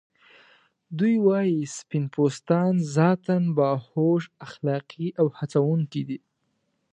دوی وايي سپین پوستان ذاتاً باهوښ، اخلاقی او هڅونکي دي.